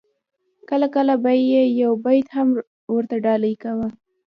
کله کله به یې یو بیت هم ورته ډالۍ کاوه.